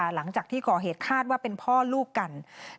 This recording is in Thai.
หลังจากที่ก่อเหตุคาดว่าเป็นพ่อลูกกัน